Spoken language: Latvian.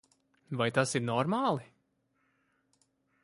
Vai tas ir normāli?